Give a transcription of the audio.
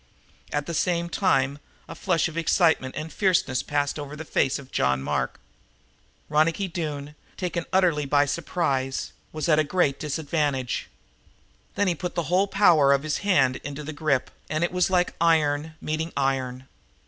At the same time a flush of excitement and fierceness passed over the face of John Mark. Ronicky Doone, taken utterly by surprise, was at a great disadvantage. Then he put the whole power of his own hand into the grip, and it was like iron meeting iron.